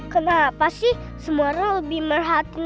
kenapa sih semuanya lebih merhatikan